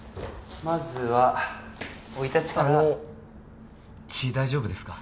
まずは生い立ちからあの血大丈夫ですか？